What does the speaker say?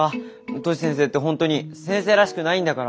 トシ先生って本当に先生らしくないんだから。